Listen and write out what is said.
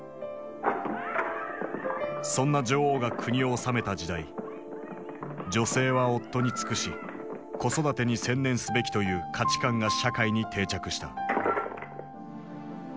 そんな女王が国を治めた時代女性は夫に尽くし子育てに専念すべきという価値観が社会に定着した。